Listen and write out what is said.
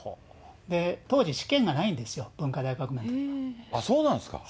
当時、試験がないんですよ、文化そうなんですか。